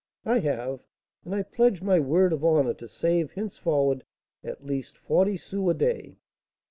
"I have; and I pledge my word of honour to save henceforward at least forty sous a day."